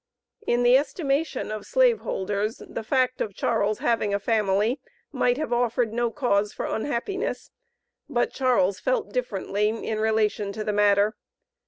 In the estimation of slave holders, the fact of Charles having a family might have offered no cause for unhappiness, but Charles felt differently in relation to the matter.